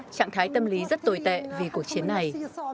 trạng thái tâm lý rất tồi tệ vì cuộc chiến này